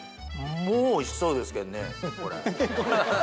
もうおいしそうですけどねこれ。